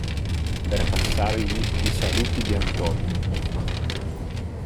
Per passargli i saluti di Antonio.